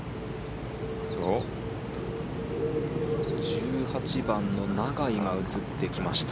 １８番の永井が映ってきました。